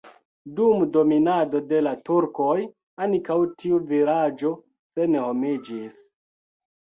Dum dominado de la turkoj ankaŭ tiu vilaĝo senhomiĝis.